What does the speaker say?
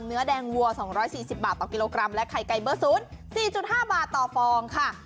เนื้อแดงวัวสองร้อยสี่สิบบาทต่อกิโลกรัมและไข่ไก่เบอร์ศูนย์สี่จุดห้าบาทต่อฟองค่ะ